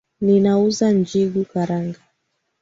Ninauza njugu karanga